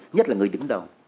nhất là người đứng đầu